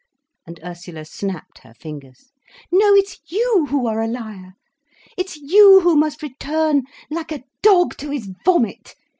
_" And Ursula snapped her fingers. "No, it's you who are a liar. It's you who must return, like a dog to his vomit.